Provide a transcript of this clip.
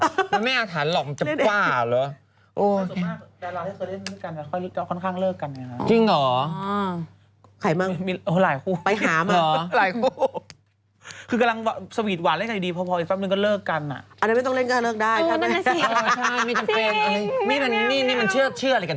ก็เลิกกันอ่ะอันนี้ไม่ต้องเล่นก็เลิกได้เออนั่นแหละสิเออใช่มันมีจังเกณฑ์นี่มันนี่มันเชื่อเชื่ออะไรกัน